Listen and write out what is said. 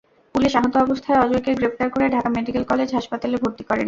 Police আহত অবস্থায় অজয়কে গ্রেপ্তার করে ঢাকা মেডিকেল কলেজ হাসপাতালে ভর্তি করে।